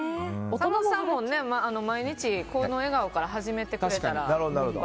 お二人も毎日、この笑顔から始めてくれたら。